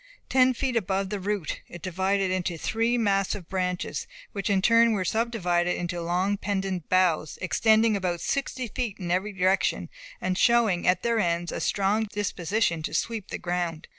Ten feet above the root, it divided into three massive branches, which in turn were subdivided into long pendant boughs extending about sixty feet in every direction, and showing, at their ends, a strong disposition to sweep the ground.